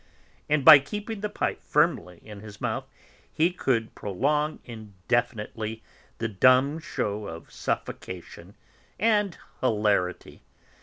And by keeping the pipe firmly in his mouth he could prolong indefinitely the dumb show of suffocation and hilarity.